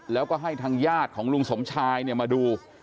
แล้วก็ให้ทางญาติของลุงสมชายมาดู